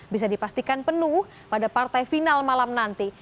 bisa dipastikan penuh pada partai final malam nanti